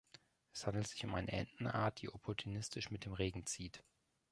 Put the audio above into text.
Es handelt sich um eine Entenart, die opportunistisch mit dem Regen zieht.